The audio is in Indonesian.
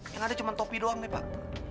yang ada cuma topi doang nih pak